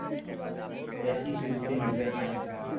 کیسی صورتیں نظر آئیں؟